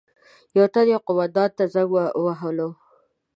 یو تن یو قومندان ته زنګ وهلو.